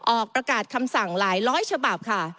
ออกประกาศคำสั่งหลายร้อยฉบับค่ะ